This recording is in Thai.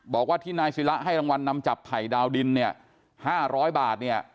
บอกว่าที่นายศิระให้รางวัลนำจับไผ่ดาวดินเนี่ย๕๐๐บาทเนี่ย